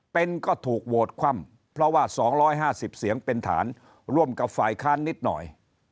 เป็นก็ถูกโหวตคว่ำเพราะว่า๒๕๐เสียงเป็นฐานร่วมกับฝ่ายค้านนิดหน่อย